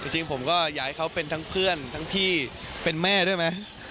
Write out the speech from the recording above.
จริงผมก็อยากให้เขาเป็นทั้งเพื่อนทั้งพี่เป็นแม่ด้วยไหม